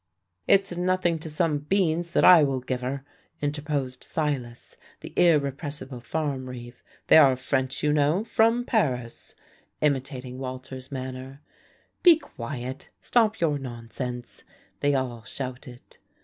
"It's nothing to some beans that I shall give her," interposed Silas, the irrepressible farm reeve. "They are French, you know, from Paris," imitating Walter's manner. "Be quiet"; "stop your nonsense," they all shouted.